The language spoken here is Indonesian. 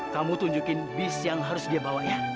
kamu tunjukin bus yang harus dia bawa ya